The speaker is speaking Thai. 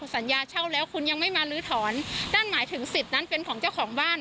สัญญาเช่าแล้วคุณยังไม่มาลื้อถอนนั่นหมายถึงสิทธิ์นั้นเป็นของเจ้าของบ้าน